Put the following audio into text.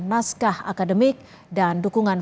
naskah akademik dan dukungan